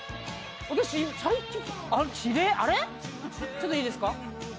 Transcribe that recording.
ちょっといいですか？